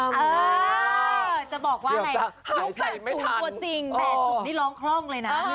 แม่สุดที่ร้องคล่องเลยนะ